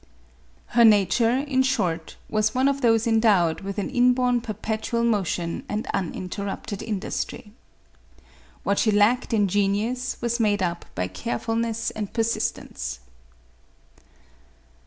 Her nature, in short, was one of those endowed with an in born perpetual motion and uninterrupted industry. MARIA THEUESA. 203 What she lacked in genius, was made up by careful ness and persistence.